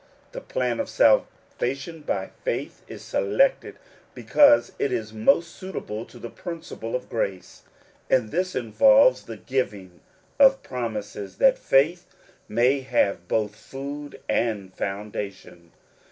The plan of salvation by faith is selected because it is most suitable to the principle of grace ; and this involves the giving of promises, that faith may have both food and foundation.